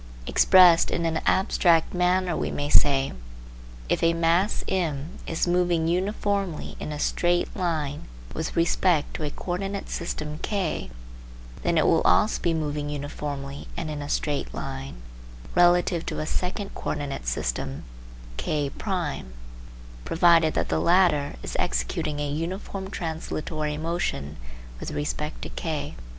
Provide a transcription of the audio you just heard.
Expressed in an abstract manner we may say : If a mass m is moving uniformly in a straight line with respect to a co ordinate system K, then it will also be moving uniformly and in a straight line relative to a second co ordinate system K1 provided that the latter is executing a uniform translatory motion with respect to K.